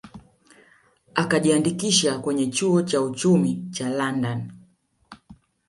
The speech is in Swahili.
Akajiandikisha kwenye chuo cha uchumi cha London